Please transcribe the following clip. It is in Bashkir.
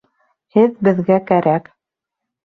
Һеҙ беҙгә кәрәк